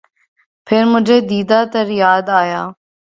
پھر مجھے دیدہٴ تر یاد آیا